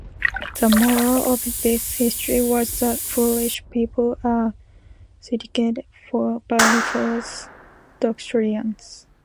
The moral of this story was that foolish people are seduced by false doctrines.